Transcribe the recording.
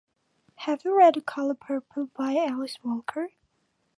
Have you read The Color Purple by Alice Walker?